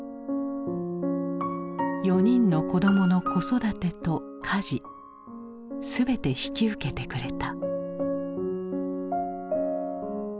４人の子どもの子育てと家事全て引き受けてくれた。